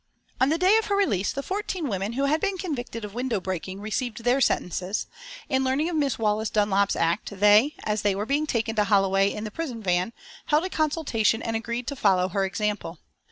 On the day of her release the fourteen women who had been convicted of window breaking received their sentences, and learning of Miss Wallace Dunlop's act, they, as they were being taken to Holloway in the prison van, held a consultation and agreed to follow her example.